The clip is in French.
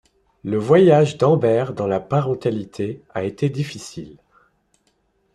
Le voyage d'Amber dans la parentalité a été difficile.